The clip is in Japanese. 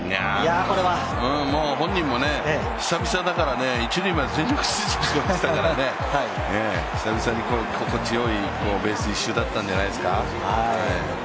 本人も久々だから一塁まで全力疾走していましたから、久々に心地よいベース一周だったんじゃないですか。